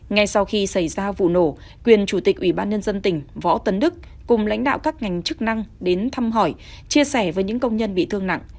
ngay sau khi xảy ra vụ nổ quyền chủ tịch ủy ban nhân dân tỉnh võ tấn đức cùng lãnh đạo các ngành chức năng đến thăm hỏi chia sẻ với những công nhân bị thương nặng